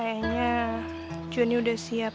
joni kelihatannya cepat banget takram sama mbak rere